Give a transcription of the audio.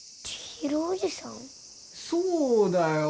そうだよ。